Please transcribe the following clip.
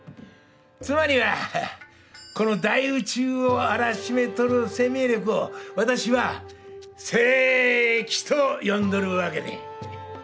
つまりはこの大宇宙をあらしめとる生命力を私は聖気と呼んどるわけで。